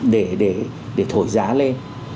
để để để thổi giá lên